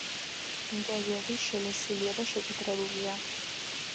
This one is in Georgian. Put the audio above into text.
ინტერიერი შელესილია და შეთეთრებულია.